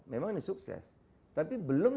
memang ini sukses tapi belum